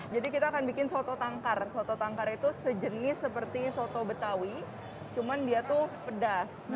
jadi kita akan bikin soto tangkar soto tangkar itu sejenis seperti soto betawi cuman dia tuh pedas